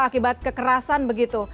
akibat kekerasan begitu